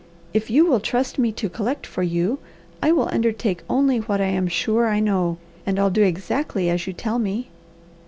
"If you will trust me to collect for you, I will undertake only what I am sure I know, and I'll do exactly as you tell me."